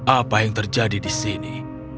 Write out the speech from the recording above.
apa yang terjadi di sini